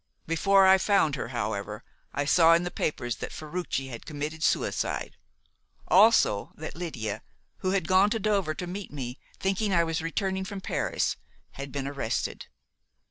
Before I found her, however, I saw in the papers that Ferruci had committed suicide; also that Lydia who had gone to Dover to meet me, thinking I was returning from Paris had been arrested.